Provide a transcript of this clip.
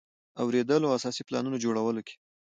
اوریدلو او اساسي پلانونو د جوړولو کې.